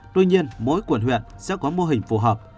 tuy nhiên mỗi quận huyện sẽ có mô hình phù hợp